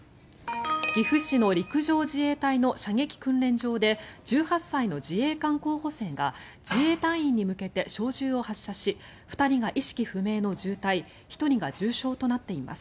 岐阜市の陸上自衛隊の射撃訓練場で１８歳の自衛官候補生が自衛隊員に向けて小銃を発射し２人が意識不明の重体１人が重傷となっています。